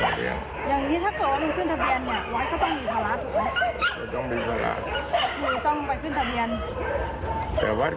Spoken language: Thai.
ไม่เลี้ยงจะไปไว้ไหลมันก็ต้องเลี้ยง